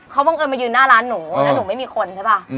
เขาบังเอิญมายืนหน้าร้านหนูแล้วหนูไม่มีคนใช่ป่ะ